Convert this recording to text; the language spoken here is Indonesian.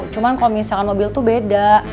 cuman kalau misalkan mobil tuh beda